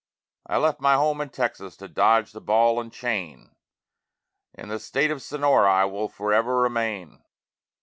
I left my home in Texas to dodge the ball and chain. In the State of Sonora I will forever remain.